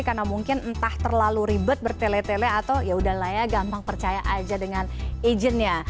karena mungkin entah terlalu ribet bertele tele atau yaudahlah ya gampang percaya aja dengan agentnya